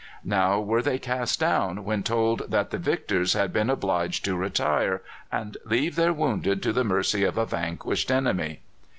Now were they cast down when told that the victors had been obliged to retire and leave their wounded to the mercy of a vanquished enemy.